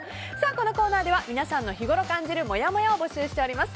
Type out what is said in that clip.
このコーナーでは皆さんの日ごろ感じるもやもやを募集しております。